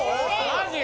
マジ？